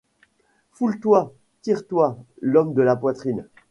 Fouille-toi ; tire-toi l’homme de la poitrine